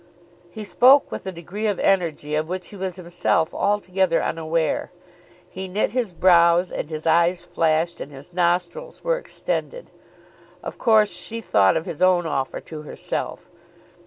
He spoke with a degree of energy of which he was himself altogether unaware. He knit his brows, and his eyes flashed, and his nostrils were extended. Of course she thought of his own offer to herself.